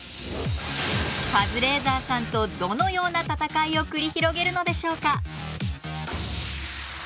カズレーザーさんとどのような戦いを繰り広げるのでしょうか？